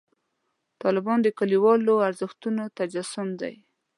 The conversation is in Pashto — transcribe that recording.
طالبان د کلیوالو ارزښتونو تجسم دی.